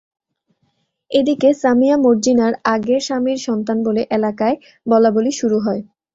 এদিকে সামিয়া মর্জিনার আগের স্বামীর সন্তান বলে এলাকায় বলাবলি শুরু হয়।